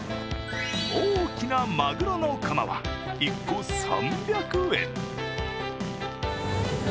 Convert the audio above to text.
大きなまぐろのかまは１個３００円。